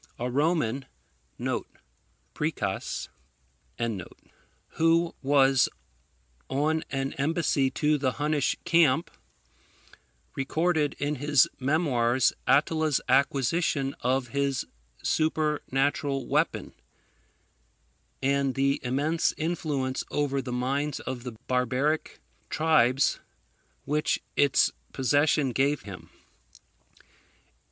A Roman, [Priscus.] who was on an embassy to the Hunnish camp, recorded in his memoirs Attila's acquisition of this supernatural weapon, and the immense influence over the minds of the barbaric tribes which its possession gave him.